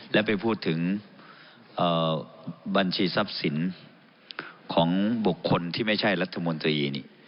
และไปพูดถึงบัญชีทรัพย์สินของบุคคลที่ไม่ใช่รัฐมนตรี